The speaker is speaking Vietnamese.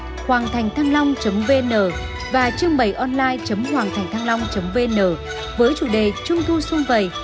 www hoangthanhthănglong vn và trương bày online hoangthanhthănglong vn với chủ đề trung thu xung vầy